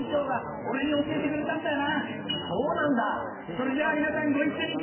それじゃあ皆さんご一緒に！